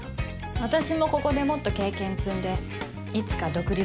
私もここでもっと経験積んでいつか独立する。